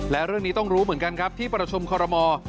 และเรื่องนี้ต้องรู้เหมือนกันครับที่ประชุมคอรมอล